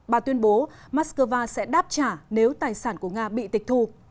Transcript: bà tuyên bố moscow sẽ đáp trả nếu tài sản của nga bị tịch thu